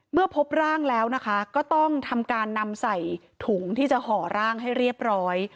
พบร่างแล้วนะคะก็ต้องทำการนำใส่ถุงที่จะห่อร่างให้เรียบร้อย